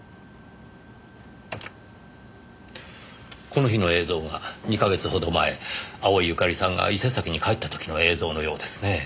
この日の映像が２か月ほど前青井由香利さんが伊勢崎に帰った時の映像のようですねぇ。